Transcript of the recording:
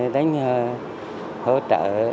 đánh hỗ trợ